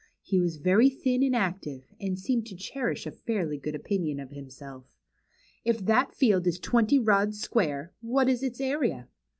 He was very thin and active, and seemed to cherish a fairly good opinion of himself. " If that field is twenty rods square, what is its area